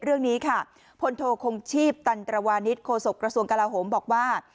เรื่องนี้ค่ะพลโทคงชีพตันตรวานิสโฆษกระทรวงกลาโหมบอกว่า